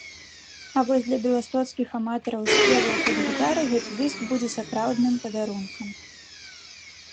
А вось для беластоцкіх аматараў спеваў пад гітару гэты дыск будзе сапраўдным падарункам.